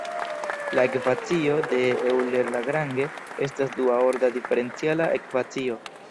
La ekvacio de Euler–Lagrange estas dua-orda diferenciala ekvacio.